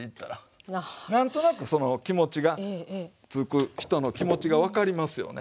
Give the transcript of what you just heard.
何となくその気持ちがつく人の気持ちが分かりますよね。